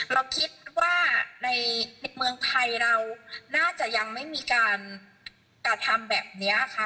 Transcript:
เราคิดว่าในเมืองไทยเราน่าจะยังไม่มีการกระทำแบบนี้ค่ะ